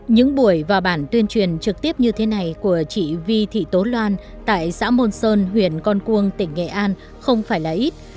những buổi và bản tuyên truyền trực tiếp như thế này của chị vi thị tố loan tại xã môn sơn huyện con cuông tỉnh nghệ an không phải là ít